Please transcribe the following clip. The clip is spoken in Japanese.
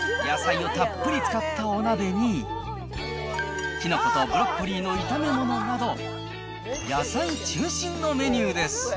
野菜をたっぷり使ったお鍋に、キノコとブロッコリーの炒め物など、野菜中心のメニューです。